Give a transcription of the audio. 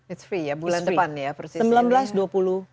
is free ya bulan depan ya persis ini